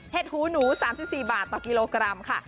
หูหนู๓๔บาทต่อกิโลกรัมค่ะ